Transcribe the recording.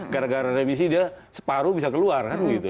gara gara remisi dia separuh bisa keluar kan gitu